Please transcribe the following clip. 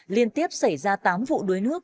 liên tiếp xảy ra tám vụ đối nước